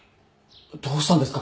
どうしたんですか？